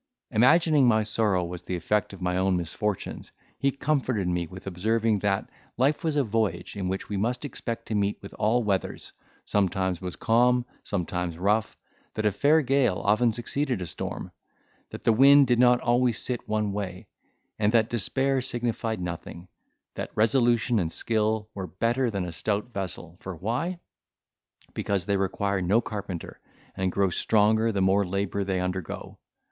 Imagining my sorrow was the effect of my own misfortunes, he comforted me with observing, that life was a voyage in which we must expect to meet with all weathers; sometimes was calm, sometimes rough; that a fair gale often succeeded a storm; that the wind did not always sit one way, and that despair signified nothing; that resolution and skill were better than a stout vessel: for why? because they require no carpenter, and grow stronger the more labour they undergo.